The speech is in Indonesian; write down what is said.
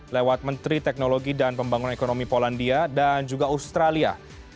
lewat menteri teknologi dan pembangunan ekonomi polandia dan juga australia